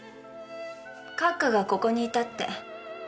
閣下がここにいたって